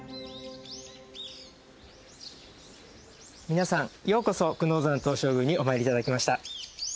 皆さんようこそ久能山東照宮にお参り頂きました。